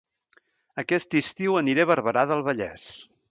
Aquest estiu aniré a Barberà del Vallès